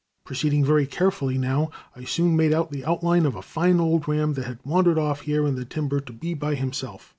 Proceeding very carefully now, I soon made out the outline of a fine old ram that had wandered off here in the timber to be by himself.